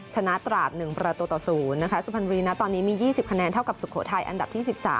ตราด๑ประตูต่อ๐นะคะสุพรรณบุรีนะตอนนี้มี๒๐คะแนนเท่ากับสุโขทัยอันดับที่๑๓